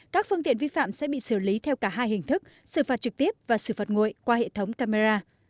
các phương tiện vi phạm sẽ bị xử lý theo cả hai hình thức xử phạt trực tiếp và xử phạt nguội qua hệ thống camera